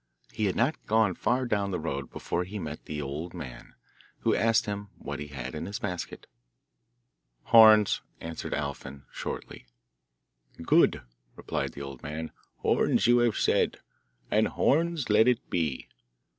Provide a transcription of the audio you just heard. He had not gone far down the road before he met the old man, who asked him what he had in his basket. 'Horns,' answered Alfin, shortly. 'Good,' replied the old man; 'horns you have said, and horns let it be.